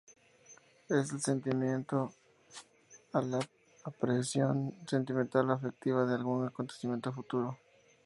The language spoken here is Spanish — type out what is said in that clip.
Es el sentimiento o la aprehensión sentimental o afectiva de algún acontecimiento futuro.